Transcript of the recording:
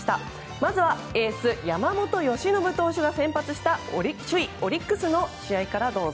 まずはエース山本由伸投手が先発した、首位オリックスの試合からどうぞ。